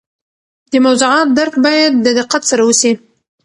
د موضوعات درک باید د دقت سره وسي.